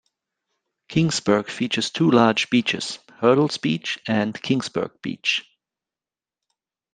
Kingsburg features two large beaches, Hirtle's Beach and Kingsburg Beach.